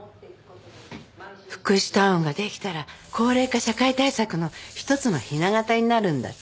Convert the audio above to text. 福祉タウンが出来たら高齢化社会対策の一つのひな型になるんだってさ。